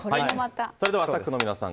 それではスタッフの皆さん